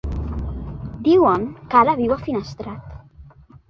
Diuen que ara viu a Finestrat.